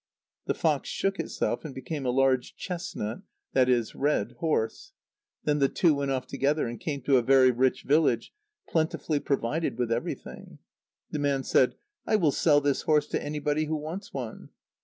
The fox shook itself, and became a large chestnut [lit. red] horse. Then the two went off together, and came to a very rich village, plentifully provided with everything. The man said: "I will sell this horse to anybody who wants one."